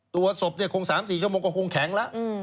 ตัวศพคง๓๔ชั่วโมงก็คงแข็งแล้ว